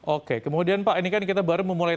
oke kemudian pak ini kan kita baru memulai